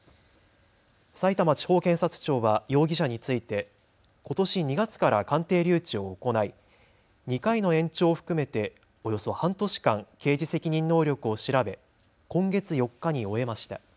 さいたま地方検察庁は容疑者についてことし２月から鑑定留置を行い２回の延長を含めておよそ半年間、刑事責任能力を調べ、今月４日に終えました。